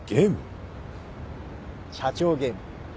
社長ゲーム。